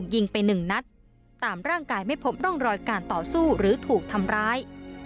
ยิงไปหนึ่งนัดตามร่างกายไม่พบร่องรอยการต่อสู้หรือถูกทำร้าย